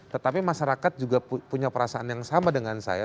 tetapi masyarakat juga punya perasaan yang sama dengan saya